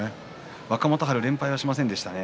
若元春、連敗しませんでした。